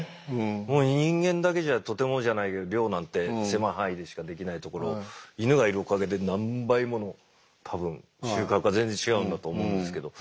もう人間だけじゃとてもじゃないけど猟なんて狭い範囲でしかできないところをイヌがいるおかげで何倍もの多分収獲が全然違うんだと思うんですけど。